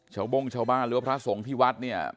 โบ้งชาวบ้านหรือว่าพระสงฆ์ที่วัดเนี่ย